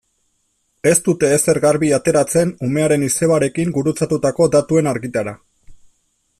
Ez dute ezer garbi ateratzen umearen izebarekin gurutzatutako datuen argitara.